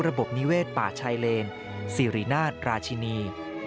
ระบบนิเวศป่าชายเลนสิรินาทราชินี